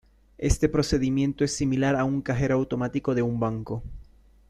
Este procedimiento es similar a un cajero automático de un banco.